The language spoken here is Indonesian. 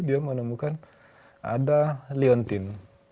dia menemukan ada leontin